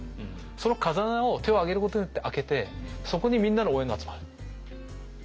その風穴を手を挙げることによって開けてそこにみんなの応援が集まる。